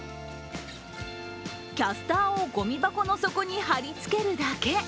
キャスターをごみ箱の底に貼り付けるだけ。